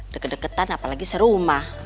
deket deketan apalagi seru emak